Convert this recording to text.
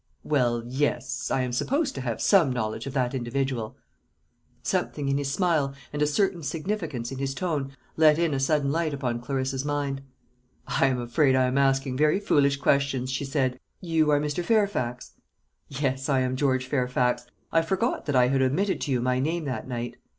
"Well, yes; I am supposed to have some knowledge of that individual." Something in his smile, and a certain significance in his tone, let in a sudden light upon Clarissa's mind. "I am afraid I am asking very foolish questions," she said. "You are Mr. Fairfax?" "Yes, I am George Fairfax. I forgot that I had omitted to tell you my name that night."